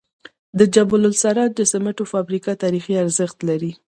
د جبل السراج د سمنټو فابریکه تاریخي ارزښت لري.